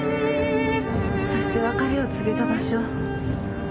そして別れを告げた場所。